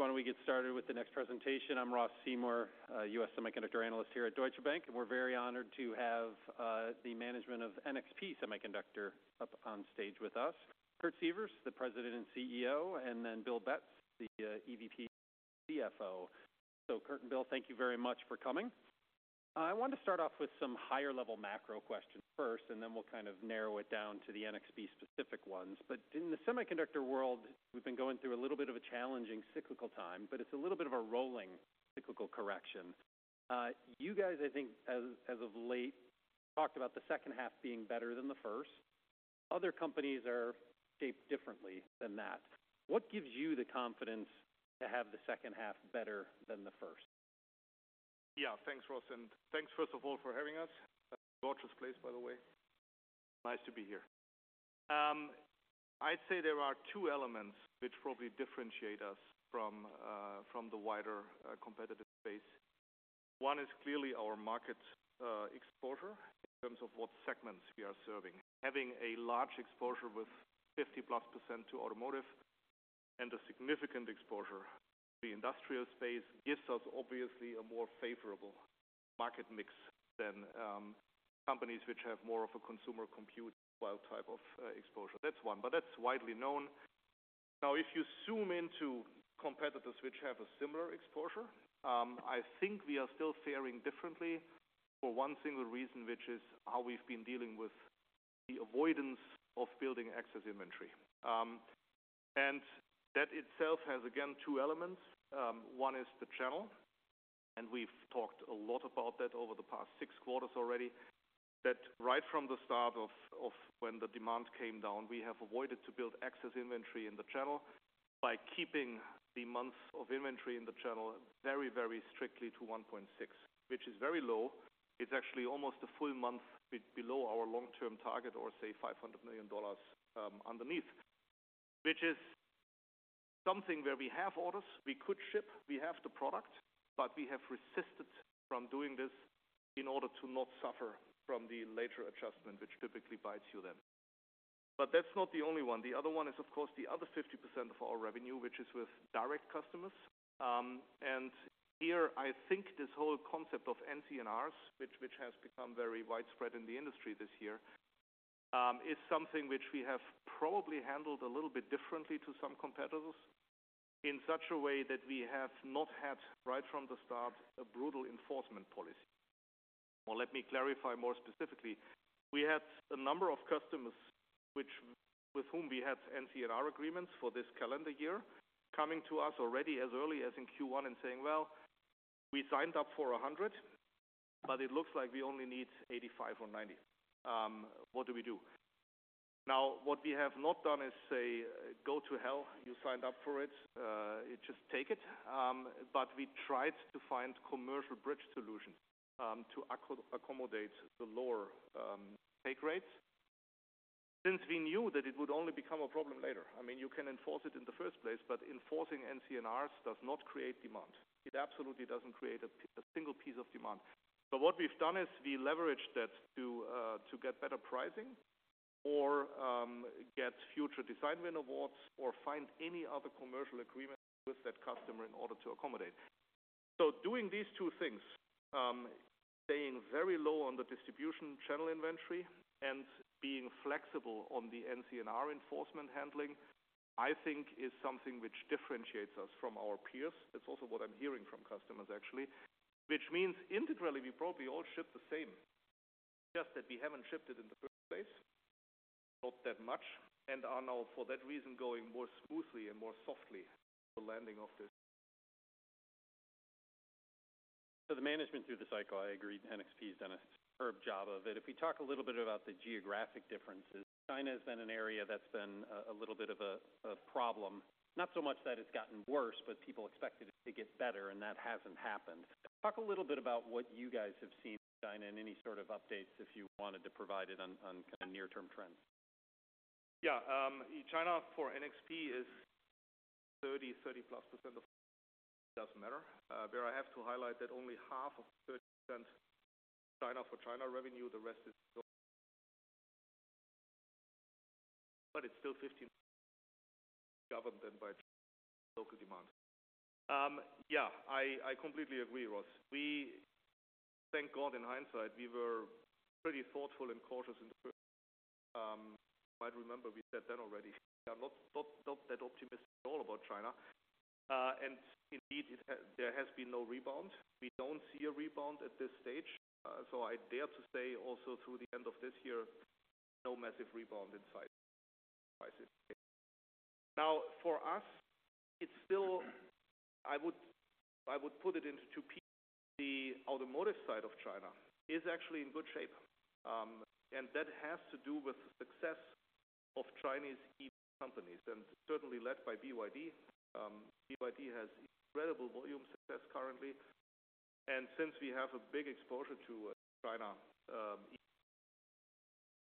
Good everybody, why don't we get started with the next presentation? I'm Ross Seymore, U.S. Semiconductor Analyst here at Deutsche Bank, and we're very honored to have the management of NXP Semiconductors up on stage with us. Kurt Sievers, the President and CEO, and then Bill Betz, the EVP and CFO. So Kurt and Bill, thank you very much for coming. I want to start off with some higher-level macro questions first, and then we'll kind of narrow it down to the NXP-specific ones. But in the semiconductor world, we've been going through a little bit of a challenging cyclical time, but it's a little bit of a rolling cyclical correction. You guys, I think as, as of late, talked about the second half being better than the first. Other companies are shaped differently than that. What gives you the confidence to have the second half better than the first? Yeah. Thanks, Ross, and thanks, first of all, for having us. Gorgeous place, by the way. Nice to be here. I'd say there are two elements which probably differentiate us from, from the wider, competitive space. One is clearly our market, exposure in terms of what segments we are serving. Having a large exposure with 50%+ to Automotive and a significant exposure to the Industrial space, gives us obviously a more favorable market mix than, companies which have more of a consumer compute, well, type of, exposure. That's one, but that's widely known. Now, if you zoom into competitors which have a similar exposure, I think we are still faring differently for one single reason, which is how we've been dealing with the avoidance of building excess inventory. And that itself has, again, two elements. One is the channel, and we've talked a lot about that over the past six quarters already. That right from the start of when the demand came down, we have avoided to build excess inventory in the channel by keeping the months of inventory in the channel very, very strictly to 1.6, which is very low. It's actually almost a full month below our long-term target, or say, $500 million underneath. Which is something where we have orders, we could ship, we have the product, but we have resisted from doing this in order to not suffer from the later adjustment, which typically bites you then. But that's not the only one. The other one is, of course, the other 50% of our revenue, which is with direct customers. Here, I think this whole concept of NCNRs, which has become very widespread in the industry this year, is something which we have probably handled a little bit differently to some competitors, in such a way that we have not had, right from the start, a brutal enforcement policy. Well, let me clarify more specifically. We had a number of customers which with whom we had NCNR agreements for this calendar year, coming to us already as early as in Q1 and saying, "Well, we signed up for 100, but it looks like we only need 85 or 90. What do we do?" Now, what we have not done is say, "Go to hell, you signed up for it. Just take it." But we tried to find commercial bridge solutions to accommodate the lower take rates, since we knew that it would only become a problem later. I mean, you can enforce it in the first place, but enforcing NCNRs does not create demand. It absolutely doesn't create a single piece of demand. So what we've done is we leveraged that to get better pricing or get future design win awards, or find any other commercial agreement with that customer in order to accommodate. So doing these two things, staying very low on the distribution channel inventory and being flexible on the NCNR enforcement handling, I think is something which differentiates us from our peers. It's also what I'm hearing from customers, actually. Which means integrally, we probably all ship the same, just that we haven't shipped it in the first place, not that much, and are now, for that reason, going more smoothly and more softly, the landing of this. So the management through the cycle, I agree, NXP has done a superb job of it. If we talk a little bit about the geographic differences, China's been an area that's been a little bit of a problem. Not so much that it's gotten worse, but people expected it to get better, and that hasn't happened. Talk a little bit about what you guys have seen in China, and any sort of updates, if you wanted to provide it on kind of near-term trends. Yeah, China for NXP is 30%, 30%+ of-- doesn't matter. But I have to highlight that only half of 30% China for China revenue, the rest is... But it's still 15% government than by local demand. Yeah, I completely agree, Ross. We, thank God, in hindsight, we were pretty thoughtful and cautious in the... You might remember we said that already. We are not that optimistic at all about China. And indeed, it has-- there has been no rebound. We don't see a rebound at this stage, so I dare to say also through the end of this year, no massive rebound in sight, I say. Now, for us, it's still-- I would put it into two pieces. The Automotive side of China is actually in good shape, and that has to do with the success of Chinese EV companies, and certainly led by BYD. BYD has incredible volume success currently, and since we have a big exposure to China,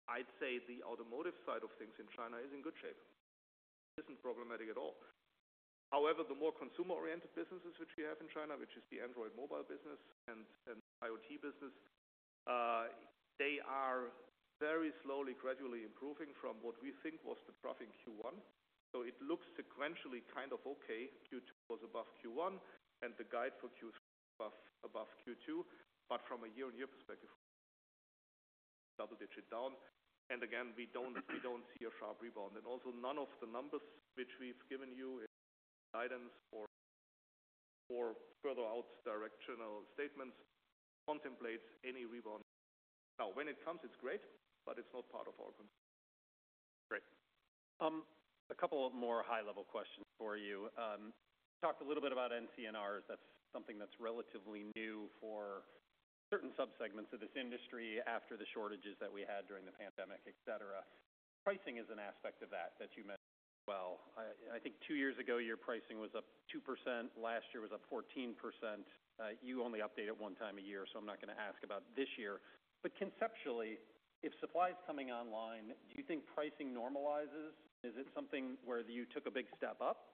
I'd say the Automotive side of things in China is in good shape. Isn't problematic at all. However, the more consumer-oriented businesses which we have in China, which is the Android Mobile business and IoT business. They are very slowly, gradually improving from what we think was the trough in Q1. So it looks sequentially kind of okay. Q2 was above Q1, and the guide for Q3 above Q2. But from a year-on-year perspective, double digit down, and again, we don't see a sharp rebound. And also none of the numbers which we've given you in guidance for further out directional statements contemplate any rebound. Now, when it comes, it's great, but it's not part of our. Great. A couple of more high-level questions for you. Talked a little bit about NCNR. That's something that's relatively new for certain subsegments of this industry after the shortages that we had during the pandemic, et cetera. Pricing is an aspect of that, that you mentioned as well. I think two years ago, your pricing was up 2%. Last year was up 14%. You only update it one time a year, so I'm not going to ask about this year. But conceptually, if supply is coming online, do you think pricing normalizes? Is it something where you took a big step up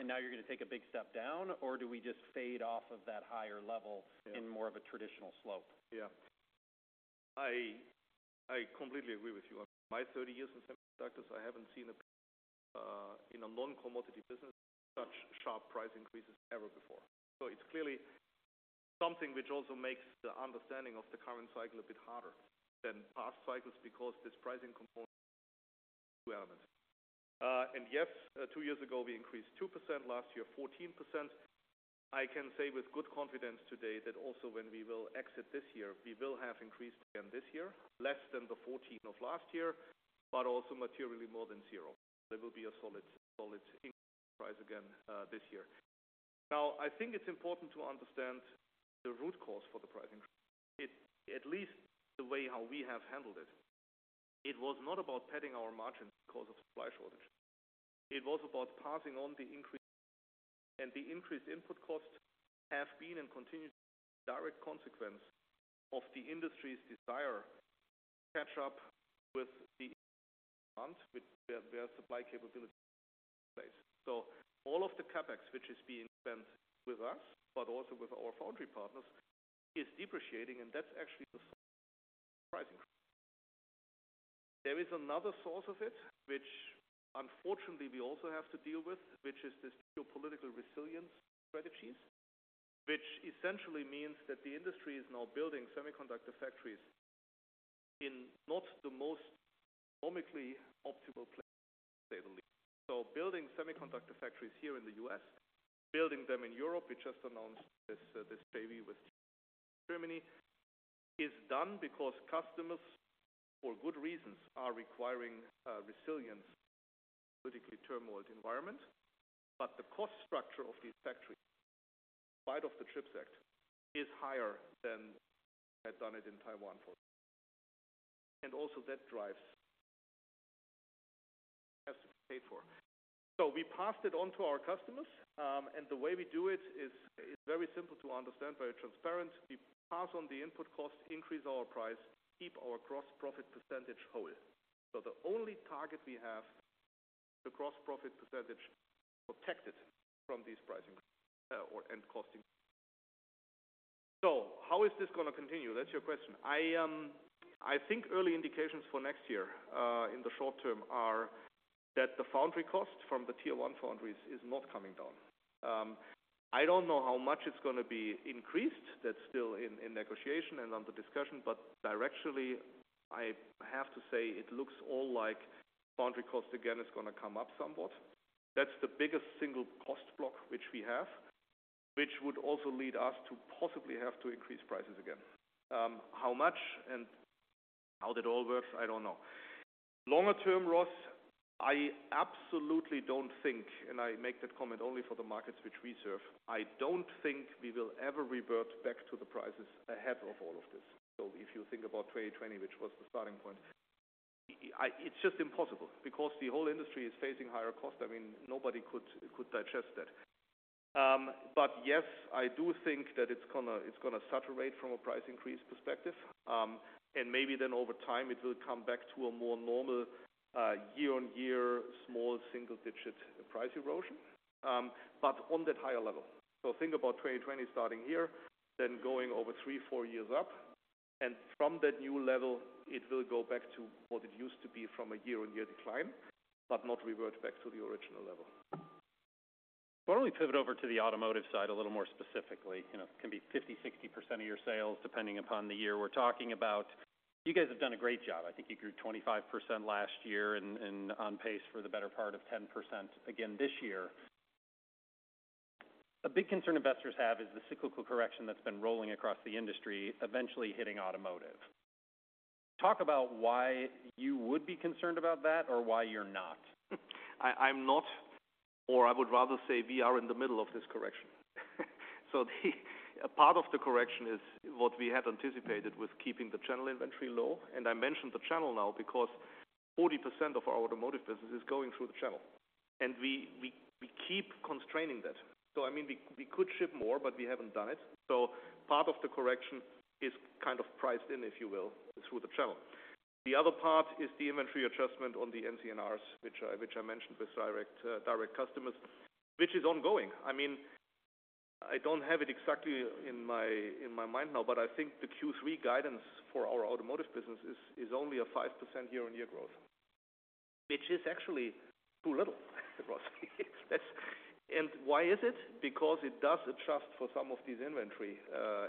and now you're going to take a big step down, or do we just fade off of that higher level- Yeah. -in more of a traditional slope? Yeah. I completely agree with you. In my 30 years in semiconductors, I haven't seen a in a non-commodity business, such sharp price increases ever before. So it's clearly something which also makes the understanding of the current cycle a bit harder than past cycles, because this pricing component element. And yes, two years ago, we increased 2%, last year, 14%. I can say with good confidence today that also when we will exit this year, we will have increased again this year, less than the 14 of last year, but also materially more than zero. There will be a solid, solid increase price again this year. Now, I think it's important to understand the root cause for the pricing. It—at least the way how we have handled it. It was not about padding our margins because of supply shortage. It was about passing on the increase, and the increased input costs have been and continue to be a direct consequence of the industry's desire to catch up with the demand, with their, their supply capability in place. So all of the CapEx, which is being spent with us, but also with our foundry partners, is depreciating, and that's actually the surprising. There is another source of it, which unfortunately we also have to deal with, which is this geopolitical resilience strategies. Which essentially means that the industry is now building semiconductor factories in not the most economically optimal place, sadly. So building semiconductor factories here in the U.S., building them in Europe, we just announced this, this baby with Germany, is done because customers, for good reasons, are requiring resilience, political turmoil environment. But the cost structure of these factories, despite the CHIPS Act, is higher than had done it in Taiwan, for example. And also that drives has to be paid for. So we passed it on to our customers, and the way we do it is very simple to understand, very transparent. We pass on the input costs, increase our price, keep our gross profit percentage whole. So the only target we have, the gross profit percentage, protected from these pricing or costing. So how is this going to continue? That's your question. I, I think early indications for next year, in the short term, are that the foundry cost from the Tier 1 foundries is not coming down. I don't know how much it's going to be increased. That's still in negotiation and under discussion, but directionally, I have to say it looks all like foundry cost again is gonna come up somewhat. That's the biggest single cost block which we have, which would also lead us to possibly have to increase prices again. How much and how that all works, I don't know. Longer term, Ross, I absolutely don't think, and I make that comment only for the markets which we serve. I don't think we will ever revert back to the prices ahead of all of this. So if you think about 2020, which was the starting point, it's just impossible because the whole industry is facing higher costs. I mean, nobody could digest that. But yes, I do think that it's gonna, it's gonna saturate from a price increase perspective, and maybe then over time it will come back to a more normal, year-on-year, small single-digit price erosion, but on that higher level. So think about 2020 starting here, then going over three, four years up, and from that new level, it will go back to what it used to be from a year-on-year decline, but not revert back to the original level. Why don't we pivot over to the Automotive side a little more specifically? You know, it can be 50%-60% of your sales, depending upon the year we're talking about. You guys have done a great job. I think you grew 25% last year and, and on pace for the better part of 10% again this year. A big concern investors have is the cyclical correction that's been rolling across the industry, eventually hitting Automotive. Talk about why you would be concerned about that or why you're not. I'm not, or I would rather say we are in the middle of this correction. So the—a part of the correction is what we had anticipated with keeping the channel inventory low. And I mentioned the channel now because 40% of our Automotive business is going through the channel, and we keep constraining that. So I mean, we could ship more, but we haven't done it. So part of the correction is kind of priced in, if you will, through the channel.... The other part is the inventory adjustment on the NCNRs, which I mentioned with direct, direct customers, which is ongoing. I mean, I don't have it exactly in my mind now, but I think the Q3 guidance for our Automotive business is only a 5% year-on-year growth, which is actually too little, I have to confess. Why is it? Because it does adjust for some of these inventory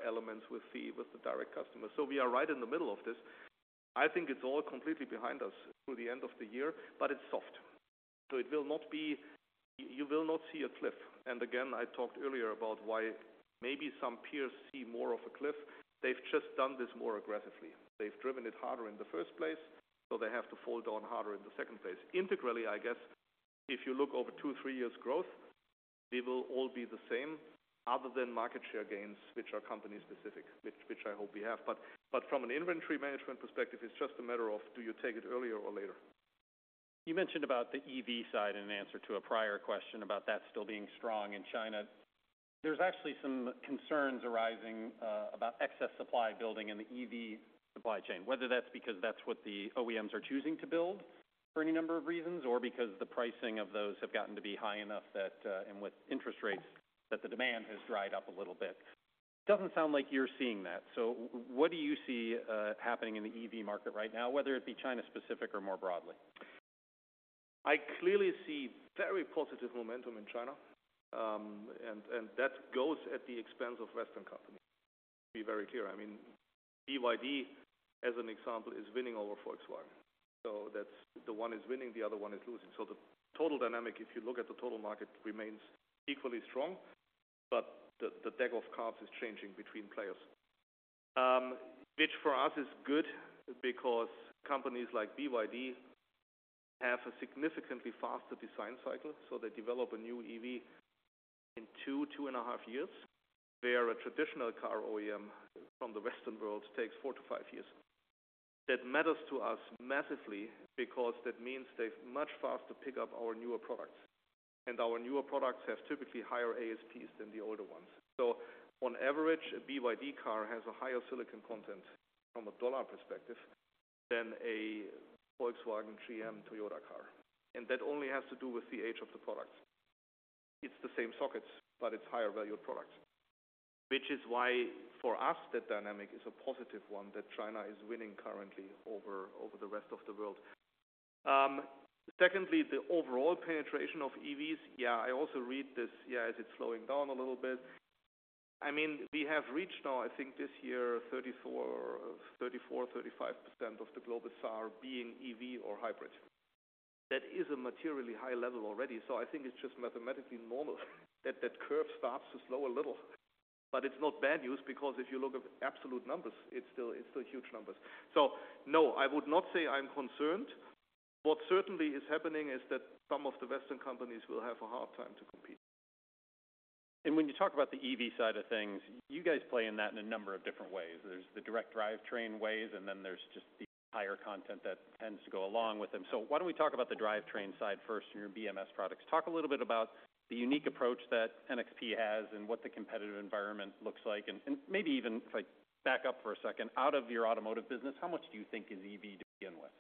elements with the direct customers. So we are right in the middle of this. I think it's all completely behind us through the end of the year, but it's soft. So it will not be a cliff. You will not see a cliff. And again, I talked earlier about why maybe some peers see more of a cliff. They've just done this more aggressively. They've driven it harder in the first place, so they have to fold on harder in the second place. Integrally, I guess, if you look over two, three years growth, we will all be the same other than market share gains, which are company specific, which I hope we have. But from an inventory management perspective, it's just a matter of do you take it earlier or later? You mentioned about the EV side in an answer to a prior question about that still being strong in China. There's actually some concerns arising about excess supply building in the EV supply chain, whether that's because that's what the OEMs are choosing to build for any number of reasons, or because the pricing of those have gotten to be high enough that, and with interest rates, that the demand has dried up a little bit. It doesn't sound like you're seeing that. So what do you see happening in the EV market right now, whether it be China-specific or more broadly? I clearly see very positive momentum in China, and that goes at the expense of Western companies. To be very clear, I mean, BYD, as an example, is winning over Volkswagen. So that's the one is winning, the other one is losing. So the total dynamic, if you look at the total market, remains equally strong, but the deck of cards is changing between players. Which for us is good because companies like BYD have a significantly faster design cycle, so they develop a new EV in two to 2.5 years, where a traditional car OEM from the Western world takes four to five years. That matters to us massively because that means they much faster pick up our newer products, and our newer products have typically higher ASPs than the older ones. So on average, a BYD car has a higher silicon content from a dollar perspective than a Volkswagen, GM, Toyota car. And that only has to do with the age of the products. It's the same sockets, but it's higher value products, which is why for us, that dynamic is a positive one, that China is winning currently over, over the rest of the world. Secondly, the overall penetration of EVs, yeah, I also read this, yeah, as it's slowing down a little bit. I mean, we have reached now, I think this year, 34%, 34%, 35% of the global car being EV or hybrid. That is a materially high level already, so I think it's just mathematically normal that that curve starts to slow a little. But it's not bad news because if you look at absolute numbers, it's still, it's still huge numbers. No, I would not say I'm concerned. What certainly is happening is that some of the Western companies will have a hard time to compete. When you talk about the EV side of things, you guys play in that in a number of different ways. There's the direct drivetrain ways, and then there's just the higher content that tends to go along with them. Why don't we talk about the drivetrain side first and your BMS products? Talk a little bit about the unique approach that NXP has and what the competitive environment looks like, and maybe even if I back up for a second, out of your Automotive business, how much do you think is EV to begin with?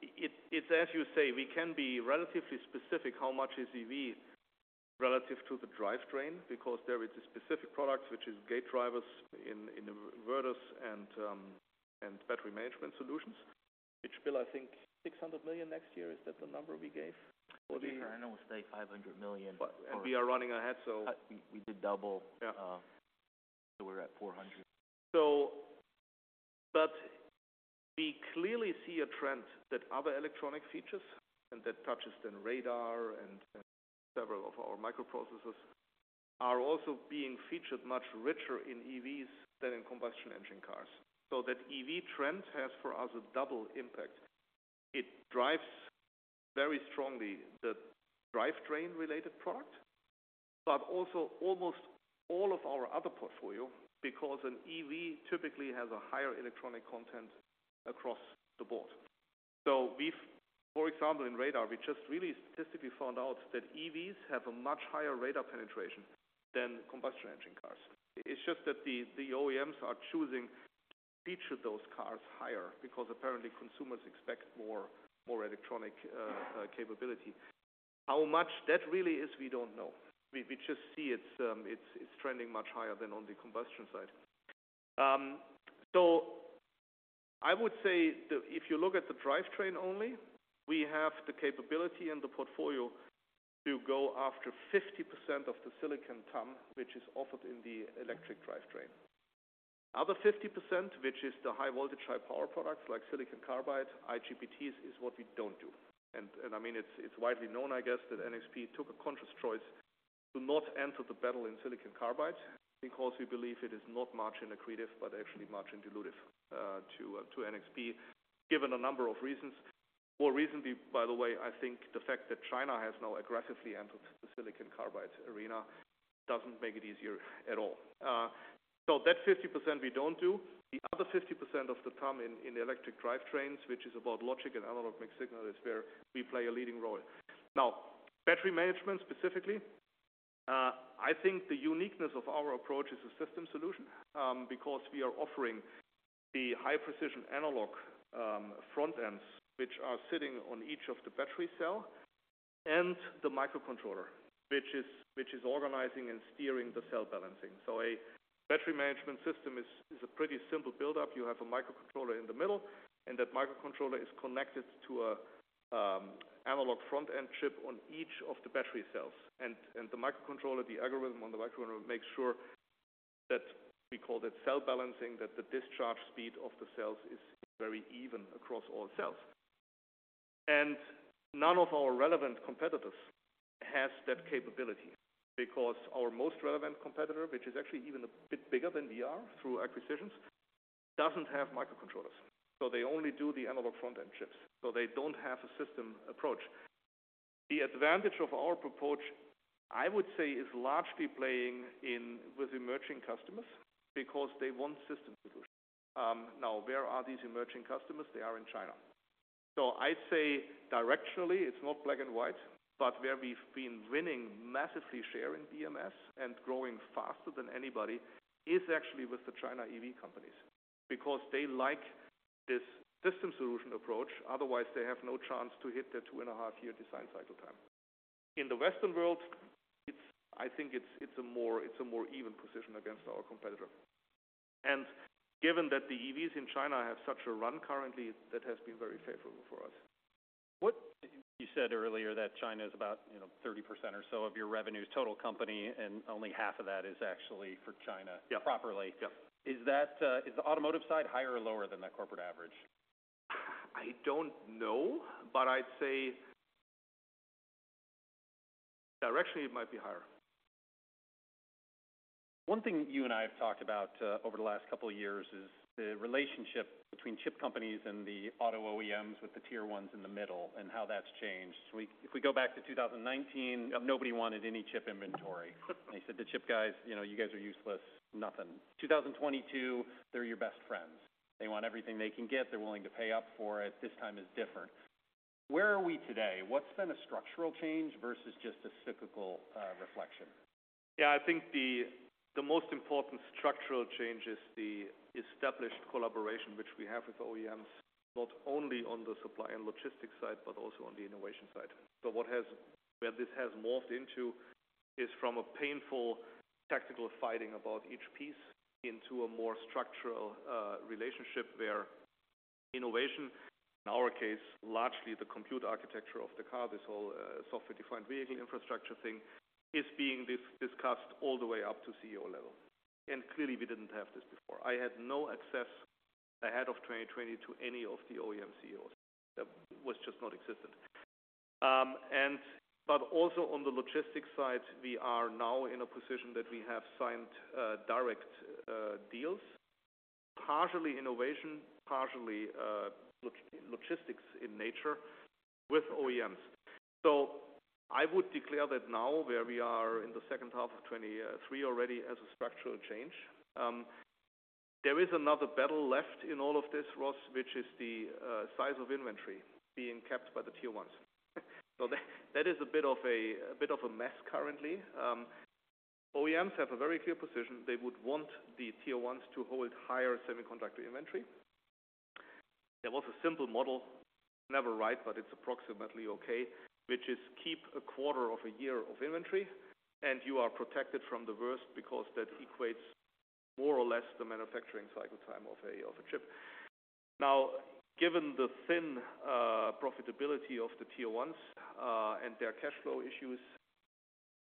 It's as you say, we can be relatively specific how much is EV relative to the drivetrain, because there is a specific product, which is gate drivers in inverters and battery management solutions, which Bill, I think $600 million next year. Is that the number we gave for the- I know we say $500 million. We are running ahead, so. We did double. Yeah. We're at $400 million. So, but we clearly see a trend that other electronic features, and that touches then radar and several of our microprocessors, are also being featured much richer in EVs than in combustion engine cars. So that EV trend has, for us, a double impact. It drives very strongly the drivetrain-related product, but also almost all of our other portfolio, because an EV typically has a higher electronic content across the board. For example, in radar, we just really statistically found out that EVs have a much higher radar penetration than combustion engine cars. It's just that the OEMs are choosing to feature those cars higher because apparently consumers expect more electronic capability. How much that really is, we don't know. We just see it's trending much higher than on the combustion side. So I would say that if you look at the drivetrain only, we have the capability in the portfolio to go after 50% of the silicon ton, which is offered in the electric drivetrain. Other 50%, which is the high voltage, high power products like silicon carbide, IGBTs, is what we don't do. And I mean, it's widely known, I guess, that NXP took a conscious choice to not enter the battle in silicon carbide because we believe it is not margin accretive, but actually margin dilutive to NXP, given a number of reasons. More recently, by the way, I think the fact that China has now aggressively entered the silicon carbide arena doesn't make it easier at all. So that 50% we don't do. The other 50% of the content in electric drivetrains, which is about logic and analog mixed signal, is where we play a leading role. Now, battery management, specifically? I think the uniqueness of our approach is a system solution, because we are offering the high precision analog front ends, which are sitting on each of the battery cell and the microcontroller, which is organizing and steering the cell balancing. So a battery management system is a pretty simple build-up. You have a microcontroller in the middle, and that microcontroller is connected to a analog front-end chip on each of the battery cells. And the microcontroller, the algorithm on the microcontroller makes sure that we call that cell balancing, that the discharge speed of the cells is very even across all cells. None of our relevant competitors has that capability, because our most relevant competitor, which is actually even a bit bigger than we are through acquisitions, doesn't have microcontrollers, so they only do the analog front-end chips, so they don't have a system approach. The advantage of our approach, I would say, is largely playing in with emerging customers because they want system solution. Now where are these emerging customers? They are in China. So I'd say directionally, it's not black and white, but where we've been winning massively share in BMS and growing faster than anybody is actually with the China EV companies, because they like this system solution approach. Otherwise, they have no chance to hit their 2.5-year design cycle time. In the Western world, I think it's a more even position against our competitor. Given that the EVs in China have such a run currently, that has been very favorable for us. You said earlier that China is about, you know, 30% or so of your revenues, total company, and only half of that is actually for China. Yeah. -properly. Yep. Is that, is the Automotive side higher or lower than the corporate average? I don't know, but I'd say directionally, it might be higher. One thing you and I have talked about over the last couple of years is the relationship between chip companies and the auto OEMs, with the Tier 1s in the middle, and how that's changed. If we go back to 2019, nobody wanted any chip inventory. They said, "The chip guys, you know, you guys are useless. Nothing." 2022, they're your best friends. They want everything they can get. They're willing to pay up for it. This time is different. Where are we today? What's been a structural change versus just a cyclical reflection? Yeah, I think the most important structural change is the established collaboration, which we have with OEMs, not only on the supply and logistics side, but also on the innovation side. So where this has morphed into is from a painful tactical fighting about each piece into a more structural relationship where innovation, in our case, largely the compute architecture of the car, this whole software-defined vehicle infrastructure thing, is being discussed all the way up to CEO level. And clearly, we didn't have this before. I had no access ahead of 2020 to any of the OEM CEOs. That was just not existent. But also on the logistics side, we are now in a position that we have signed direct deals, partially innovation, partially logistics in nature with OEMs. So I would declare that now, where we are in the second half of 2023 already, as a structural change. There is another battle left in all of this, Ross, which is the size of inventory being kept by the Tier 1s. So that is a bit of a mess currently. OEMs have a very clear position. They would want the Tier 1s to hold higher semiconductor inventory. There was a simple model, never right, but it's approximately okay, which is keep a quarter of a year of inventory, and you are protected from the worst because that equates more or less the manufacturing cycle time of a chip. Now, given the thin profitability of the Tier 1s and their cash flow issues,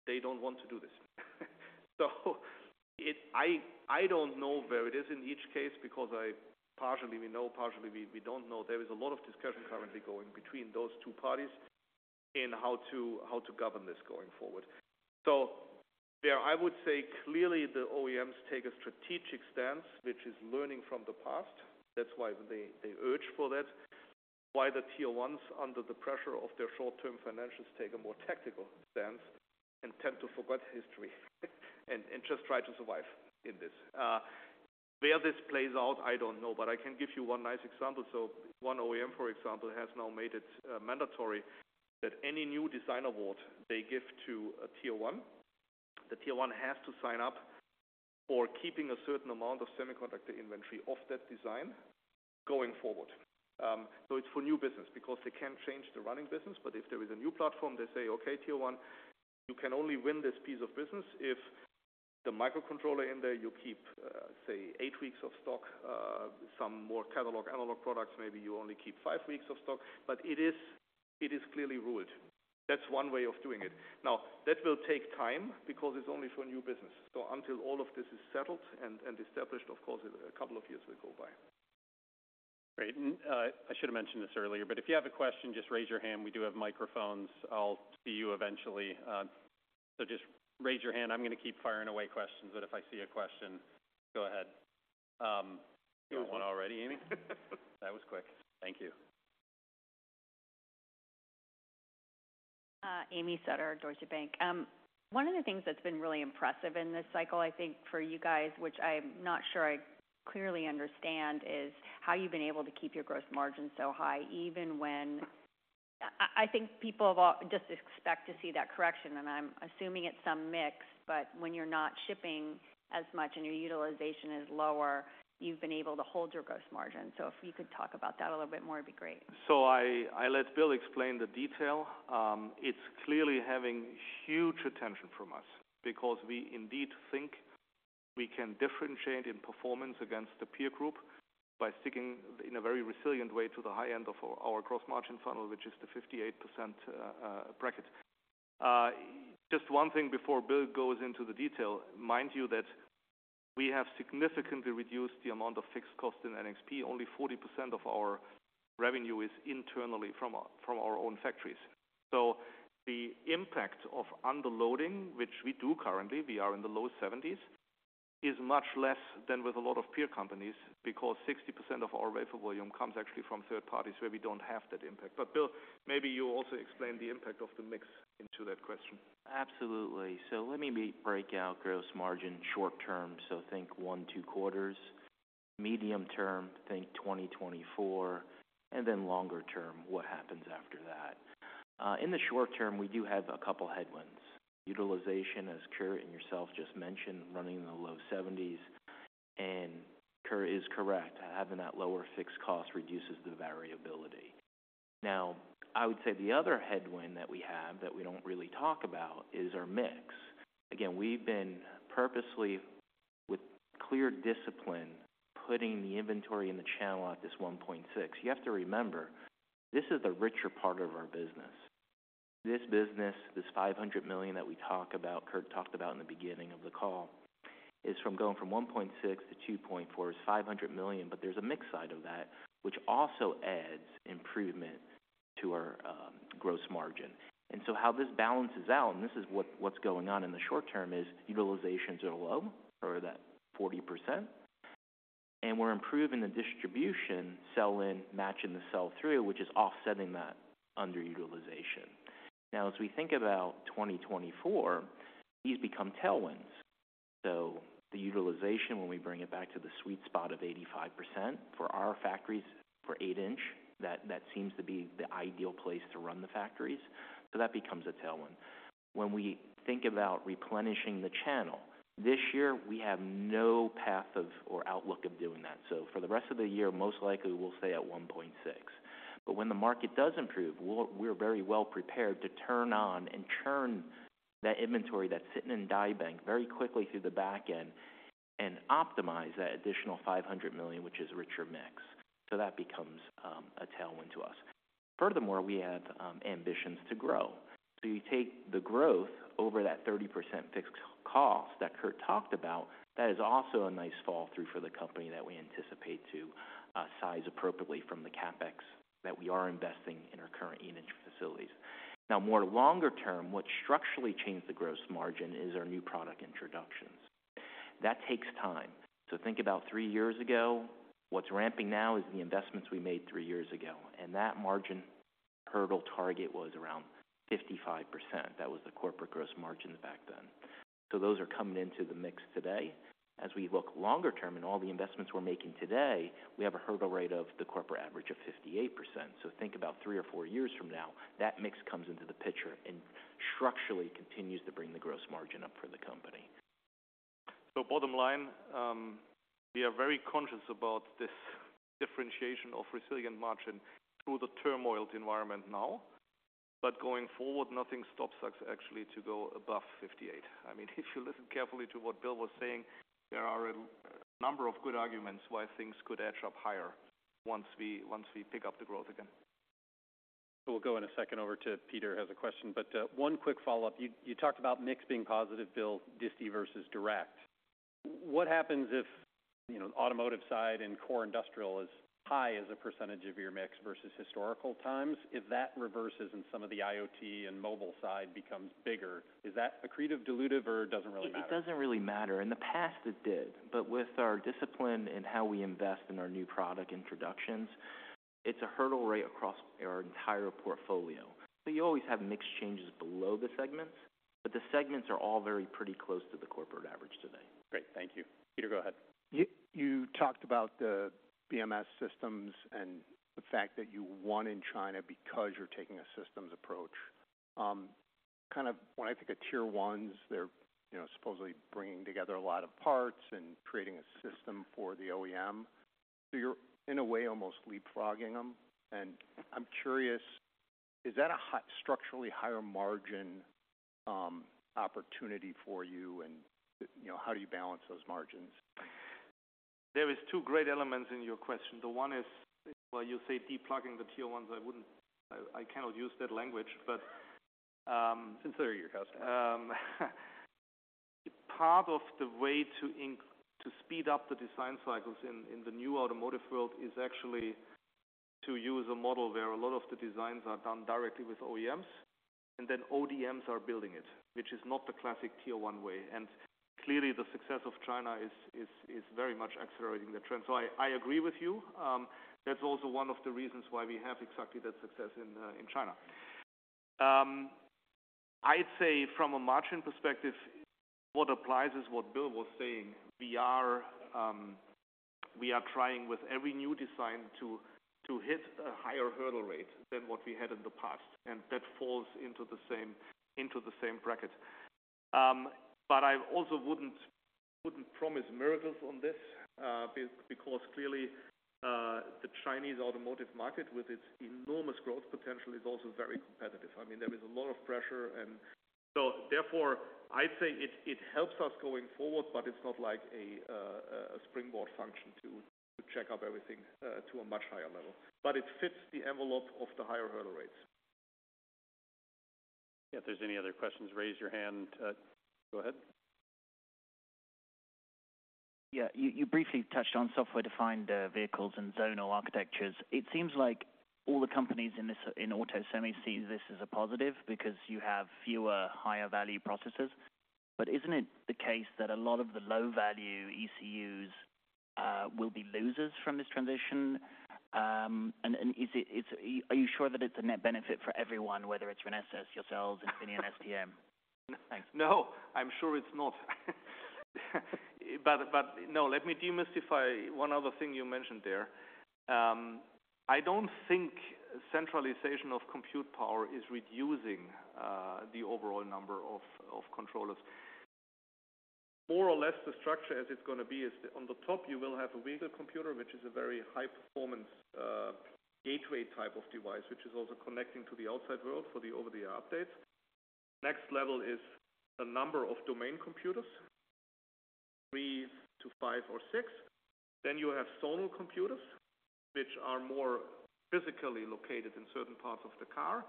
they don't want to do this. So I don't know where it is in each case because partially we know, partially we don't know. There is a lot of discussion currently going between those two parties in how to govern this going forward. So there, I would say clearly the OEMs take a strategic stance, which is learning from the past. That's why they urge for that. Why the Tier 1s, under the pressure of their short-term financials, take a more tactical stance and tend to forget history and just try to survive in this. Where this plays out, I don't know, but I can give you one nice example. So one OEM, for example, has now made it mandatory that any new design award they give to a Tier 1, the Tier 1 has to sign up for keeping a certain amount of semiconductor inventory of that design going forward. So it's for new business because they can't change the running business, but if there is a new platform, they say: Okay, Tier 1, you can only win this piece of business if the microcontroller in there, you keep, say, eight weeks of stock, some more catalog, analog products, maybe you only keep five weeks of stock. But it is, it is clearly ruled. That's one way of doing it. Now, that will take time because it's only for new business. So until all of this is settled and, and established, of course, a couple of years will go by. Great. I should have mentioned this earlier, but if you have a question, just raise your hand. We do have microphones. I'll see you eventually. Just raise your hand. I'm going to keep firing away questions, but if I see a question, go ahead. There's one already, Amy. That was quick. Thank you. Amy Sutter, Deutsche Bank. One of the things that's been really impressive in this cycle, I think for you guys, which I'm not sure I clearly understand is how you've been able to keep your gross margin so high, even when, I think people have all just expect to see that correction, and I'm assuming it's some mix, but when you're not shipping as much and your utilization is lower, you've been able to hold your gross margin. So if you could talk about that a little bit more, it'd be great. So I, I let Bill explain the detail. It's clearly having huge attention from us because we indeed think we can differentiate in performance against the peer group by sticking in a very resilient way to the high end of our, our gross margin funnel, which is the 58% bracket. Just one thing before Bill goes into the detail, mind you, that we have significantly reduced the amount of fixed costs in NXP. Only 40% of our revenue is internally from our, from our own factories. So the impact of underloading, which we do currently, we are in the low 70s, is much less than with a lot of peer companies, because 60% of our wafer volume comes actually from third parties where we don't have that impact. But Bill, maybe you also explain the impact of the mix into that question. Absolutely. So let me break out gross margin short term. So think one, two quarters, medium term, think 2024, and then longer term, what happens after that? In the short term, we do have a couple headwinds. Utilization, as Kurt and yourself just mentioned, running in the low 70s, and Kurt is correct, having that lower fixed cost reduces the variability. Now, I would say the other headwind that we have that we don't really talk about is our mix. Again, we've been purposely, with clear discipline, putting the inventory in the channel at this 1.6. You have to remember, this is the richer part of our business. This business, this $500 million that we talk about, Kurt talked about in the beginning of the call, is from going from 1.6 to 2.4, is $500 million, but there's a mix side of that which also adds improvement to our gross margin. And so how this balances out, and this is what's going on in the short term, is utilizations are low, at that 40%, and we're improving the distribution sell-in, matching the sell-through, which is offsetting that underutilization. Now, as we think about 2024, these become tailwinds. So the utilization, when we bring it back to the sweet spot of 85% for our factories for 8 in, that seems to be the ideal place to run the factories. So that becomes a tailwind. When we think about replenishing the channel, this year, we have no plan or outlook of doing that. So for the rest of the year, most likely we'll stay at 1.6. But when the market does improve, we're very well prepared to turn on and churn that inventory that's sitting in die bank very quickly through the back end and optimize that additional $500 million, which is richer mix. So that becomes a tailwind to us. Furthermore, we have ambitions to grow. So you take the growth over that 30% fixed cost that Kurt talked about, that is also a nice fall through for the company that we anticipate to size appropriately from the CapEx that we are investing in our current fab facilities. Now, more longer term, what structurally changed the gross margin is our new product introductions. That takes time. So think about three years ago, what's ramping now is the investments we made three years ago, and that margin hurdle target was around 55%. That was the corporate gross margin back then. So those are coming into the mix today. As we look longer term and all the investments we're making today, we have a hurdle rate of the corporate average of 58%. So think about three or four years from now, that mix comes into the picture and structurally continues to bring the gross margin up for the company. So bottom line, we are very conscious about this differentiation of resilient margin through the turbulent environment now. But going forward, nothing stops us actually to go above 58%. I mean, if you listen carefully to what Bill was saying, there are a number of good arguments why things could edge up higher once we pick up the growth again. We'll go in a second over to Peter, has a question, but one quick follow-up. You talked about mix being positive, Bill, DC versus direct. What happens if, you know, Automotive side and core Industrial is high as a percentage of your mix versus historical times? If that reverses and some of the IoT and Mobile side becomes bigger, is that accretive, dilutive, or it doesn't really matter? It doesn't really matter. In the past, it did, but with our discipline in how we invest in our new product introductions, it's a hurdle right across our entire portfolio. So you always have mix changes below the segments, but the segments are all very pretty close to the corporate average today. Great. Thank you. Peter, go ahead. You talked about the BMS systems and the fact that you won in China because you're taking a systems approach. Kind of when I think of Tier 1s, they're, you know, supposedly bringing together a lot of parts and creating a system for the OEM. So you're, in a way, almost leapfrogging them. And I'm curious, is that a high structurally higher margin opportunity for you? And, you know, how do you balance those margins? There is two great elements in your question. The one is, well, you say leapfrogging the Tier 1s. I wouldn't, I cannot use that language, but,- Since they're your customer. Part of the way to speed up the design cycles in the new Automotive world is actually to use a model where a lot of the designs are done directly with OEMs, and then ODMs are building it, which is not the classic Tier 1 way. Clearly, the success of China is very much accelerating the trend. I agree with you. That's also one of the reasons why we have exactly that success in China. I'd say from a margin perspective, what applies is what Bill was saying. We are trying with every new design to hit a higher hurdle rate than what we had in the past, and that falls into the same bracket. But I also wouldn't promise miracles on this, because clearly, the Chinese Automotive market, with its enormous growth potential, is also very competitive. I mean, there is a lot of pressure and so therefore, I'd say it helps us going forward, but it's not like a springboard function to jack up everything to a much higher level. But it fits the envelope of the higher hurdle rates. If there's any other questions, raise your hand. Go ahead. Yeah. You briefly touched on software-defined vehicles and zonal architectures. It seems like all the companies in this, in auto semi see this as a positive because you have fewer higher-value processors. But isn't it the case that a lot of the low-value ECUs will be losers from this transition? And are you sure that it's a net benefit for everyone, whether it's Renesas, yourselves, Infineon, STM? Thanks. No, I'm sure it's not. But no, let me demystify one other thing you mentioned there. I don't think centralization of compute power is reducing the overall number of controllers. More or less, the structure as it's gonna be is on the top, you will have a vehicle computer, which is a very high-performance gateway type of device, which is also connecting to the outside world for the over-the-air updates. Next level is a number of domain computers, three to five or six. Then you have zonal computers, which are more physically located in certain parts of the car.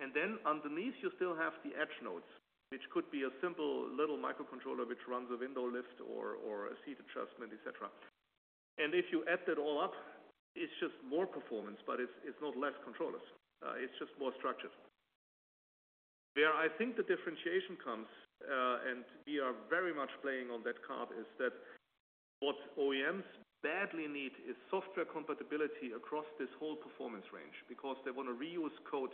And then underneath, you still have the edge nodes, which could be a simple little microcontroller, which runs a window lift or a seat adjustment, et cetera. And if you add that all up, it's just more performance, but it's not less controllers. It's just more structured. Where I think the differentiation comes, and we are very much playing on that card, is that what OEMs badly need is software compatibility across this whole performance range, because they want to reuse code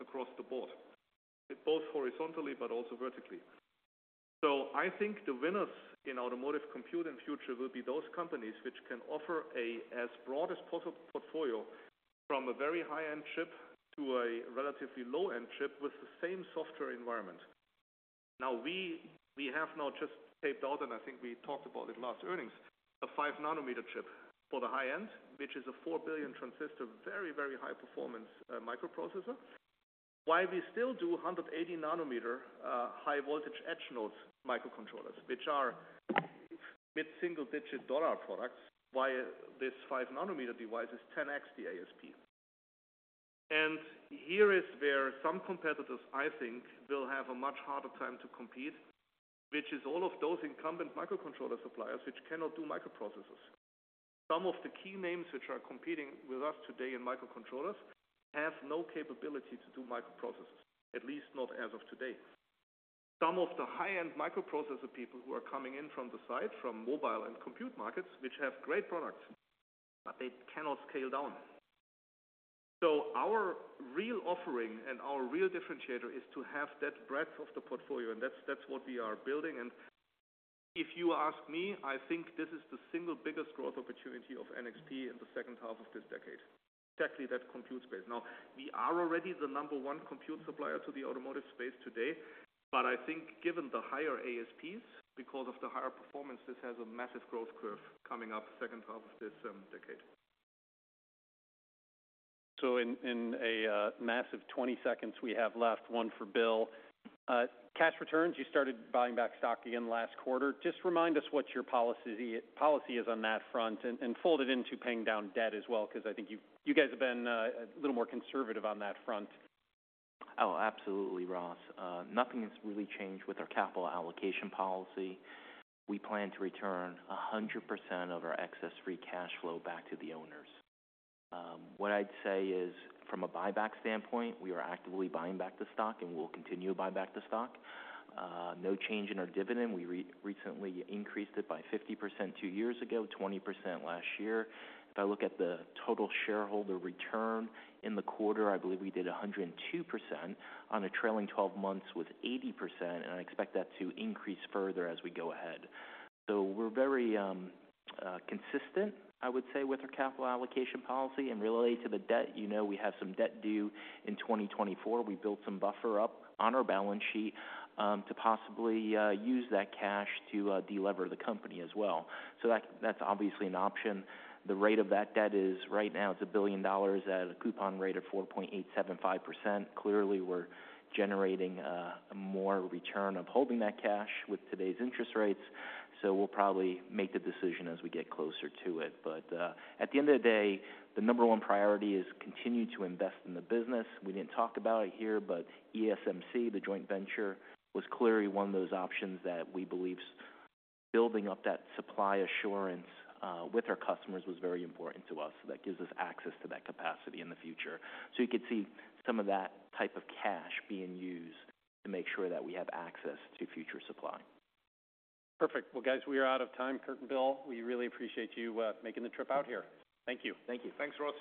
across the board, both horizontally but also vertically. So I think the winners in Automotive compute in future will be those companies which can offer as broad as possible portfolio, from a very high-end chip to a relatively low-end chip with the same software environment. Now, we have now just taped out, and I think we talked about it last earnings, a 5 nm chip for the high-end, which is a four-billion-transistor, very, very high-performance microprocessor. While we still do 180nm high voltage edge node microcontrollers, which are mid-single-digit dollar products, while this 5 nm device is 10x the ASP. Here is where some competitors, I think, will have a much harder time to compete, which is all of those incumbent microcontroller suppliers, which cannot do microprocessors. Some of the key names which are competing with us today in microcontrollers have no capability to do microprocessors, at least not as of today. Some of the high-end microprocessor people who are coming in from the side, from Mobile and compute markets, which have great products, but they cannot scale down. So our real offering and our real differentiator is to have that breadth of the portfolio, and that's, that's what we are building. And if you ask me, I think this is the single biggest growth opportunity of NXP in the second half of this decade. Exactly that compute space. Now, we are already the number one compute supplier to the Automotive space today, but I think given the higher ASPs because of the higher performance, this has a massive growth curve coming up second half of this decade. So in a massive 20 seconds we have left, one for Bill. Cash returns. You started buying back stock again last quarter. Just remind us what your policy is on that front and fold it into paying down debt as well, because I think you guys have been a little more conservative on that front. Oh, absolutely, Ross. Nothing's really changed with our capital allocation policy. We plan to return 100% of our excess free cash flow back to the owners. What I'd say is, from a buyback standpoint, we are actively buying back the stock and will continue to buy back the stock. No change in our dividend. We recently increased it by 50% two years ago, 20% last year. If I look at the total shareholder return in the quarter, I believe we did 102% on a trailing twelve months with 80%, and I expect that to increase further as we go ahead. So we're very consistent, I would say, with our capital allocation policy. And related to the debt, you know, we have some debt due in 2024. We built some buffer up on our balance sheet, to possibly, use that cash to, delever the company as well. So that, that's obviously an option. The rate of that debt is right now, it's $1 billion at a coupon rate of 4.875%. Clearly, we're generating, more return of holding that cash with today's interest rates, so we'll probably make the decision as we get closer to it. But, at the end of the day, the number one priority is continue to invest in the business. We didn't talk about it here, but ESMC, the joint venture, was clearly one of those options that we believe building up that supply assurance, with our customers was very important to us. So that gives us access to that capacity in the future. You could see some of that type of cash being used to make sure that we have access to future supply. Perfect. Well, guys, we are out of time. Kurt and Bill, we really appreciate you making the trip out here. Thank you. Thank you. Thanks, Ross.